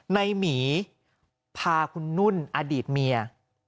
หมีพาคุณนุ่นอดีตเมีย